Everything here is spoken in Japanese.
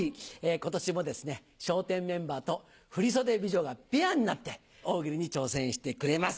今年もですね笑点メンバーと振袖美女がペアになって大喜利に挑戦してくれます。